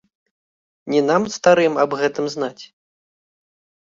Не нам, старым, аб гэтым знаць.